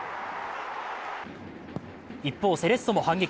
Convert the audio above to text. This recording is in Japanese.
一方、セレッソも反撃。